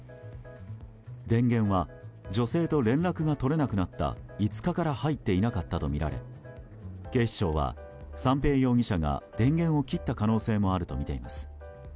電源は女性と連絡が取れなくなった５日から入っていなかったとみられ警視庁は三瓶容疑者が電源を切った可能性もあるとみています。